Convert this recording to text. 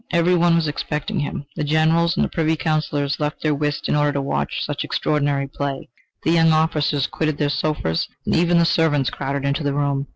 Every one was expecting him. The generals and Privy Counsellors left their whist in order to watch such extraordinary play. The young officers quitted their sofas, and even the servants crowded into the room.